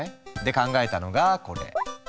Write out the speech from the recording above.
で考えたのがこれ。